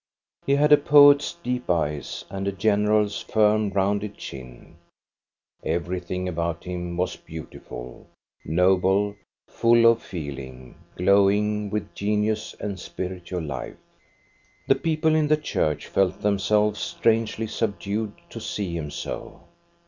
He had a poet's deep eyes, and a general's firm, rounded chin; everything about him was beautiful, noble, full of feeling, glowing with genius and spirit ual life. The people in the church felt themselves strangely subdued to see him so.